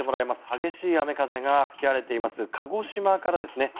激しい雨、風が吹き荒れています鹿児島からですね